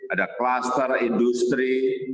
ada klaster industri